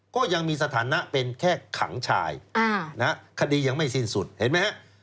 ก็ยังมีสถานะเป็นแค่ขังชายคดียังไม่สิ้นสุดเห็นไหมฮะ